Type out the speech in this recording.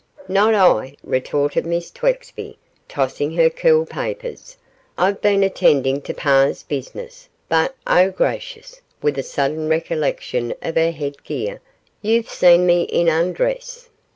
'Not I,' retorted Miss Twexby, tossing her curl papers; 'I've been attending to par's business; but, oh, gracious!' with a sudden recollection of her head gear, 'you've seen me in undress.